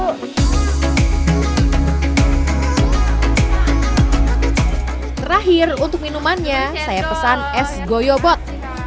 terakhir untuk minumannya saya pesan es goyo bot